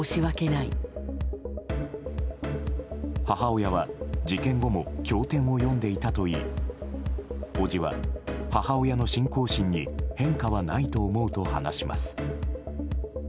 母親は事件後も教典を読んでいたといい伯父は母親の信仰心に変化はないと思うと話します。